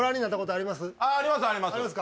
ありますあります